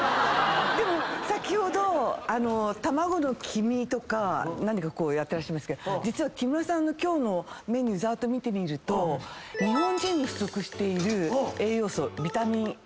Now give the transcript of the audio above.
でも先ほど卵の黄身とか何かやってらっしゃいますけど実は木村さんの今日のメニューざーっと見てみると日本人に不足している栄養素ビタミンＡとビタミンＤなんですけど。